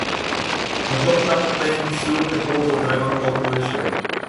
No topo da montanha do sul, repousa o dragão do alvorecer.